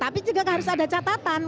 tapi juga harus ada catatan